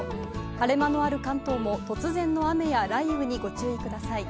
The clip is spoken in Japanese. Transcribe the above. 晴れ間もある関東も突然の雨や雷雨にご注意ください。